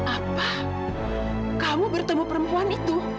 apa kamu bertemu perempuan itu